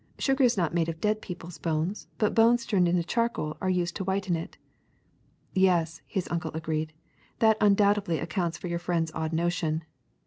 Sugar is not made of dead people's bones, but bones turned into charcoal are used to whiten it. '' ^^Yes," his uncle agreed, ^^that undoubtedly ac counts for your friend's odd notion."